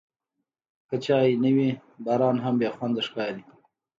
که چای نه وي، باران هم بېخونده ښکاري.